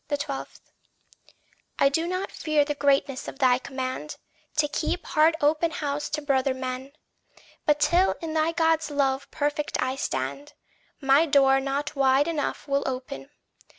12. I do not fear the greatness of thy command To keep heart open house to brother men; But till in thy God's love perfect I stand, My door not wide enough will open.